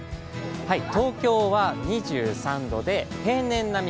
東京は２３度で平年並み。